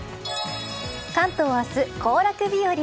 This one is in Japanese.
関東、明日、行楽日和。